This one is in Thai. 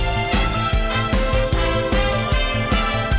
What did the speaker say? สวัสดีค่ะ